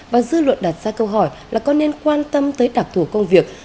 và dư luận đặt ra câu hỏi là có nên quan tâm tới đặc thủ công việc